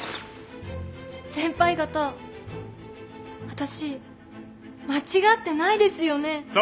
先輩方私間違ってないですよねぇ。